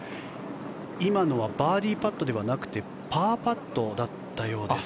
今のはバーディーパットではなくてパーパットだったようです。